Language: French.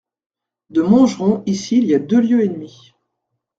De Montgeron ici il y a deux lieues et demie.